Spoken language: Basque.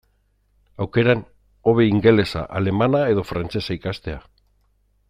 Aukeran, hobe ingelesa, alemana edo frantsesa ikastea.